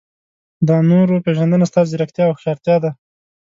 د نورو پېژندنه ستا ځیرکتیا او هوښیارتیا ده.